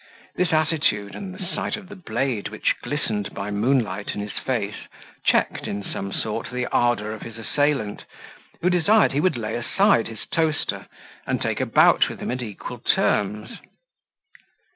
This attitude, and the sight of the blade which glistened by moonlight in his face, checked, in some sort, the ardour of his assailant, who desired he would lay aside his toaster, and take a bout with him at equal arms.